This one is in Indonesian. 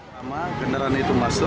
pada saat kendaraan itu masuk